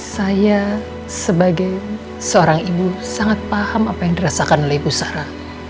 saya sebagai seorang ibu sangat paham apa yang dirasakan oleh ibu sarah